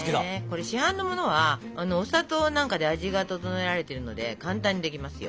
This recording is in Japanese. これ市販のものはお砂糖なんかで味が調えられてるので簡単にできますよ。